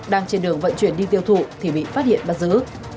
đang trên đường vận chuyển đi tiêu thụ thì bị phát hiện bắt giữ